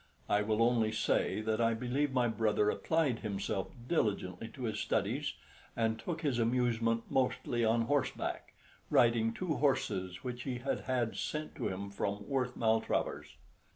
I will only say that I believe my brother applied himself diligently to his studies, and took his amusement mostly on horseback, riding two horses which he had had sent to him from Worth Maltravers.